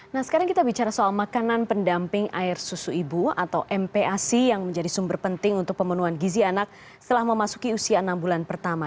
nah sekarang kita bicara soal makanan pendamping air susu ibu atau mpac yang menjadi sumber penting untuk pemenuhan gizi anak setelah memasuki usia enam bulan pertama